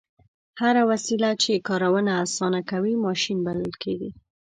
هره وسیله چې کارونه اسانه کوي ماشین بلل کیږي.